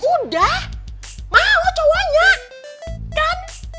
udah mau cowoknya kan